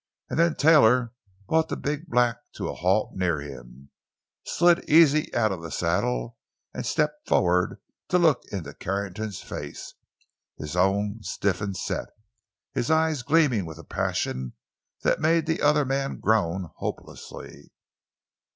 And then Taylor brought the big black to a halt near him, slid easily out of the saddle, and stepped forward to look into Carrington's face, his own stiff and set, his eyes gleaming with a passion that made the other man groan hopelessly.